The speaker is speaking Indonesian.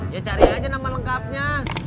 ya cari aja nama lengkapnya